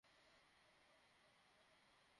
নিরাপদে চলে যেতে পার।